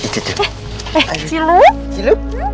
eh eh cilup